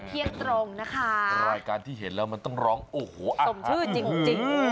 เที่ยงตรงนะคะรายการที่เห็นแล้วมันต้องร้องโอ้โหสมชื่อจริง